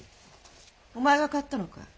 お前が買ったのかい？